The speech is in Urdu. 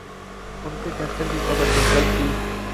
ان کے کینسر کی خبر جنگل کی